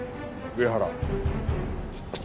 上原。